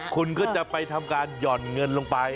คุณก็จะไปทำการหย่อนเงินลงไป